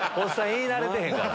言い慣れてへんから。